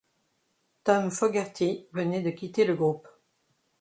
Tom Fogerty venait de quitter le groupe.